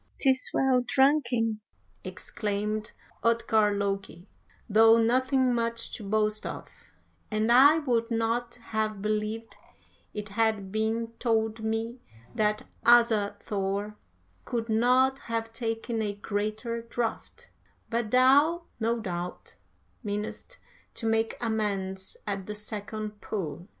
"''Tis well drunken,' exclaimed Utgard Loki, 'though nothing much to boast of; and I would not have believed had it been told me that Asa Thor could not have taken a greater draught, but thou no doubt meanest to make amends at the second pull.'